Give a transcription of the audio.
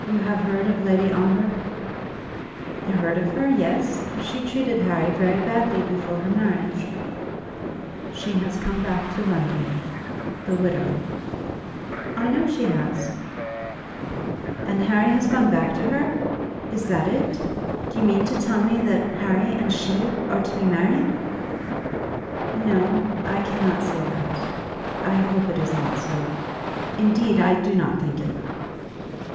"You have heard of Lady Ongar?" "Heard of her; yes. She treated Harry very badly before her marriage." "She has come back to London, a widow." "I know she has. And Harry has gone back to her! Is that it? Do you mean to tell me that Harry and Lady Ongar are to be married?" "No; I cannot say that. I hope it is not so. Indeed, I do not think it."